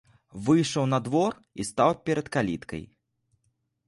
Выйшаў на двор і стаў перад каліткай.